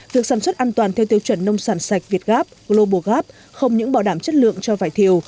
việc sản xuất an toàn theo tiêu chuẩn nông sản sạch việt gap global gap không những bảo đảm chất lượng cho vải thiều